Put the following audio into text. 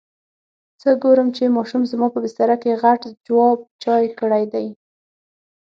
څه ګورم چې ماشوم زما په بستره کې غټ جواب چای کړی دی.